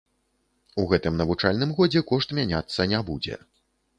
У гэтым навучальным годзе кошт мяняцца не будзе.